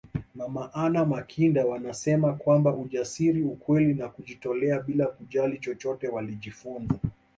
Mama Anna Makinda wanasema kwamba ujasiri ukweli na kujitolea bila kujali chochote walijifunza